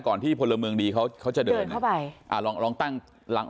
ก่อนที่ผลเมืองดีเขาจะเดินเดินเข้าไป